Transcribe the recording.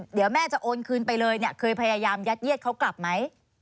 เดี๋ยวแม่จะโอนคืนไปเลยเนี่ยเคยพยายามยัดเยียดเขากลับไหม